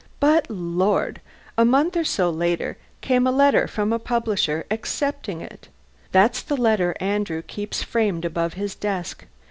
But Lord! a month or so later came a letter from a publisher accepting it! That's the letter Andrew keeps framed above his desk.